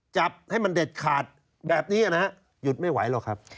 จับให้มันเด็ดขาดแบบนี้นะฮะหยุดไม่ไหวหรอกครับ